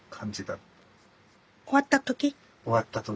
終わった時？